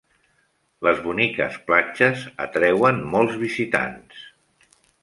Les boniques platges atreuen molts visitants.